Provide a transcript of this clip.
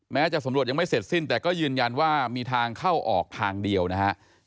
จะสำรวจยังไม่เสร็จสิ้นแต่ก็ยืนยันว่ามีทางเข้าออกทางเดียวนะฮะ